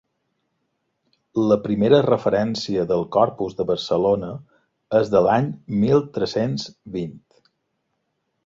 La primera referència del Corpus de Barcelona és de l'any mil tres-cents vint.